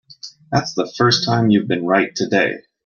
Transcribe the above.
That's the first time you've been right today.